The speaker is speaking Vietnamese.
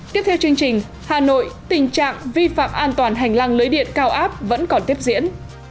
tiếp theo chương trình hà nội tình trạng vi phạm an toàn hành lang lưới điện cao áp vẫn còn tiếp diễn